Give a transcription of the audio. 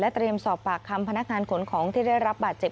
เตรียมสอบปากคำพนักงานขนของที่ได้รับบาดเจ็บ